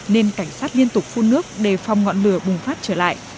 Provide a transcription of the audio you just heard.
nên cảnh sát liên tục phun nước đề phòng ngọn lửa bùng phát trở lại